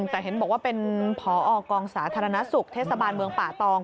แต่เห็นบอกว่าเป็นผอกองสาธารณสุขเทศบาลเมืองป่าตอง